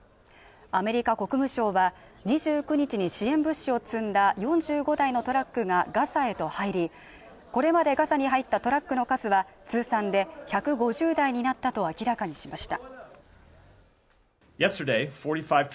アメリカ国務省は２９日に支援物資を積んだ４５台のトラックがガザへと入りこれまでガザに入ったトラックの数は通算で１５０台になったと明らかにしました